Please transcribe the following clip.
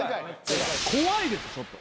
怖いですちょっと。